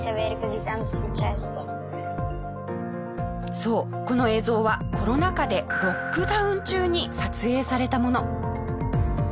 そうこの映像はコロナ禍でロックダウン中に撮影されたもの。